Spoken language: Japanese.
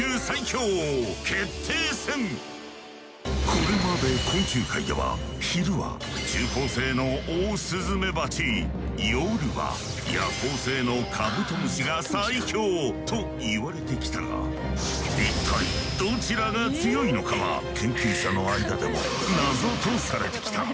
これまで昆虫界では昼は昼行性のオオスズメバチ夜は夜行性のカブトムシが最強といわれてきたが一体どちらが強いのかは研究者の間でも謎とされてきた。